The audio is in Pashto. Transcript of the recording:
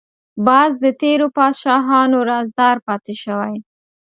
باز د تیرو پاچاهانو رازدار پاتې شوی